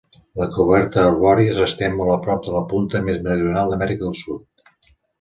La coberta arbòria s'estén molt a prop de la punta més meridional d'Amèrica del Sud.